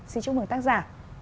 xin chúc mừng tác giả